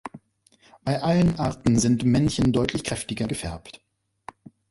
Bei allen Arten sind die Männchen deutlich kräftiger gefärbt.